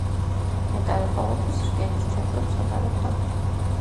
ნეტარი ყოველთვის რკინის ჯაჭვებს ატარებდა.